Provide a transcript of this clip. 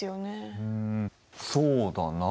うんそうだなあ。